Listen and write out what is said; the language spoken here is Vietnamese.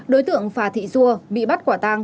đối tượng phà thị dua bị bắt quả tang